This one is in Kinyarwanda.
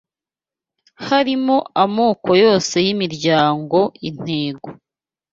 harimo amoko yose yimiryango intego